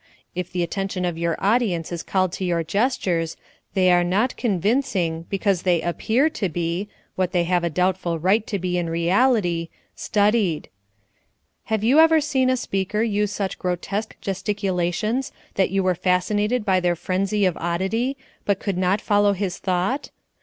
If the attention of your audience is called to your gestures, they are not convincing, because they appear to be what they have a doubtful right to be in reality studied. Have you ever seen a speaker use such grotesque gesticulations that you were fascinated by their frenzy of oddity, but could not follow his thought?